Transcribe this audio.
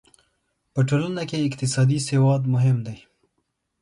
په ټولنه کې اقتصادي سواد مهم دی.